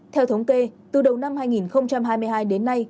theo thống kê từ đầu năm hai nghìn hai mươi hai đến nay